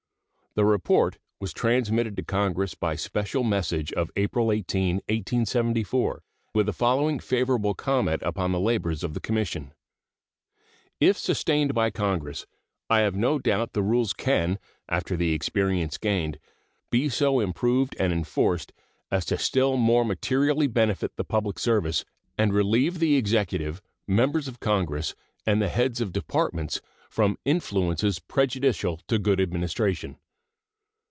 The report was transmitted to Congress by special message of April 18, 1874, with the following favorable comment upon the labors of the Commission: If sustained by Congress, I have no doubt the rules can, after the experience gained, be so improved and enforced as to still more materially benefit the public service and relieve the Executive, members of Congress, and the heads of Departments from influences prejudicial to good administration.